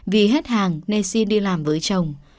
vì hết hàng nên xin đi làm với chồng